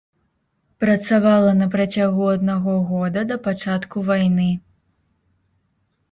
Працавала на працягу аднаго года да пачатку вайны.